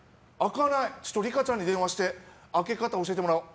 梨花ちゃんに電話して開け方教えてもらおう。